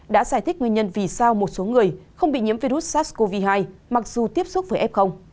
đã giải thích nguyên nhân vì sao một số người không bị nhiễm virus sars cov hai mặc dù tiếp xúc với f